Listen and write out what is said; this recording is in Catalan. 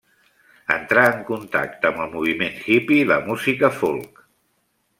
Entrà en contacte amb el moviment hippy i la música Folk.